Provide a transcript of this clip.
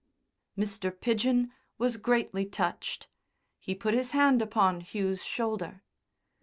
Mr. Pidgen was greatly touched. He put his hand upon Hugh's shoulder.